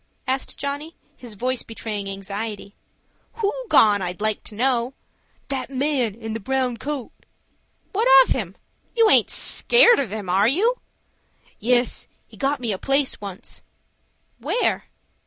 asked Johnny, his voice betraying anxiety. "Who gone, I'd like to know?" "That man in the brown coat." "What of him. You aint scared of him, are you?" "Yes, he got me a place once." "Where?"